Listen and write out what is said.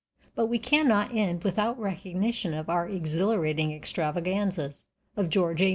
But we cannot end without recognition of the exhilarating extravaganzas of "George A.